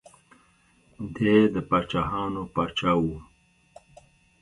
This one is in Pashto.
دی د پاچاهانو پاچا و.